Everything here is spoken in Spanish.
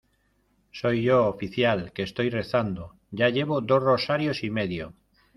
soy yo, oficial , que estoy rezando. ya llevo dos rosarios y medio .